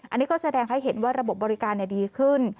อันนี้ก็แสดงให้เห็นว่าระบบบริการดีขึ้น